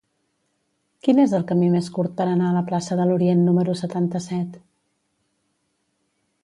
Quin és el camí més curt per anar a la plaça de l'Orient número setanta-set?